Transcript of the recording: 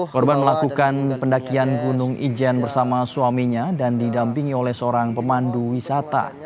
korban melakukan pendakian gunung ijen bersama suaminya dan didampingi oleh seorang pemandu wisata